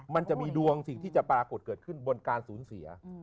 มันจะมีดวงสิ่งที่จะปรากฏเกิดขึ้นบนการสูญเสีย